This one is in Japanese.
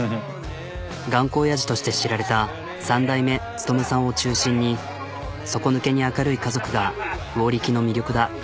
頑固おやじとして知られた３代目力さんを中心に底抜けに明るい家族が魚力の魅力だ。